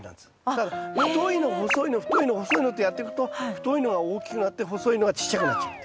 だから太いの細いの太いの細いのってやっていくと太いのが大きくなって細いのがちっちゃくなっちゃうという。